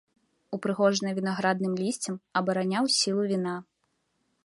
Упрыгожаны вінаградным лісцем абараняў сілу віна.